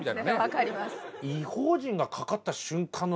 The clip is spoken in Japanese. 分かります。